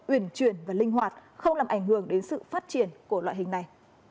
uyển chuyển và linh hoạt không làm ảnh hưởng đến sự phát triển của loại hình này